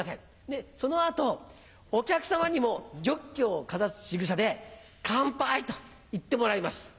でその後お客さまにもジョッキをかざすしぐさで「乾杯！」と言ってもらいます。